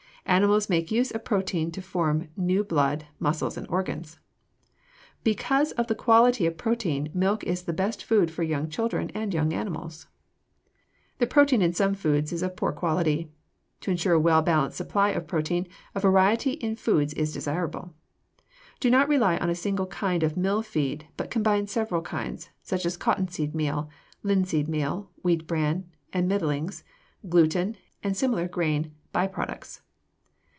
Animals make use of protein to form new blood, muscles, and organs. Because of the quality of protein, milk is the best food for children and young animals. The protein in some foods is of poor quality. To insure a well balanced supply of protein a variety in foods is desirable. Do not rely on a single kind of mill feed, but combine several kinds, such as cotton seed meal, linseed meal, wheat bran and middlings, gluten, and similar grain by products.